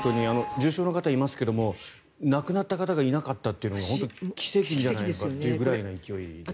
重傷の方いますけど亡くなった方がいなかったというのが本当に奇跡じゃないかぐらいの勢いですね。